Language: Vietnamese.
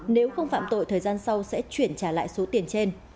nếu không phạm tội thời gian sau sẽ chuyển trả lại số tiền trên